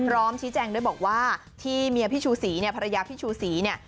พร้อมชี้แจงด้วยบอกว่าที่เมียพี่ชูศรีเนี่ยภรรยาพี่ชูศรีเนี่ย